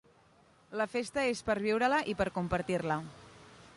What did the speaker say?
La festa és per viure-la i per compartir-la.